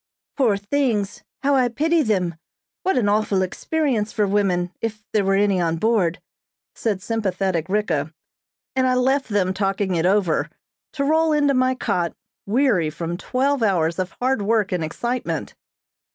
"Poor things! How I pity them. What an awful experience for women if there were any on board," said sympathetic Ricka, and I left them talking it over, to roll into my cot, weary from twelve hours of hard work and excitement.